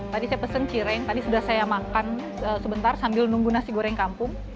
tadi saya pesen cireng tadi sudah saya makan sebentar sambil nunggu nasi goreng kampung